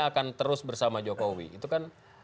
akan terus bersama jokowi itu kan